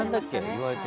言われて。